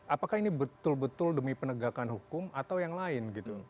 apakah ini betul betul demi penegakan hukum atau yang lain gitu